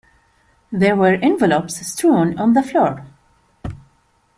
There were envelopes strewn on the floor.